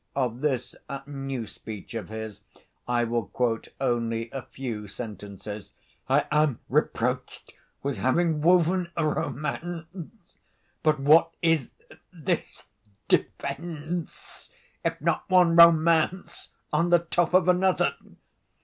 Of this new speech of his I will quote only a few sentences. "... I am reproached with having woven a romance. But what is this defense if not one romance on the top of another?